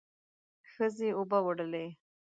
ښځې اوبه وړلې.